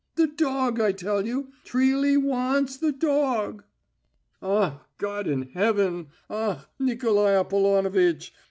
The dog, I tell you! Trilly wa ants the do og!" "Ah, God in heaven! Ah, Nikolai Apollonovitch!